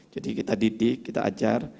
jadi kita didik kita ajar